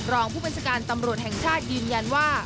รองผู้บัญชาการตำรวจแห่งชาติยืนยันว่า